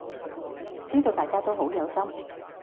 知道大家都好有心